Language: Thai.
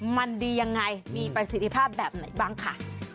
มันดียังไงมีประสิทธิภาพแบบไหนบ้างค่ะ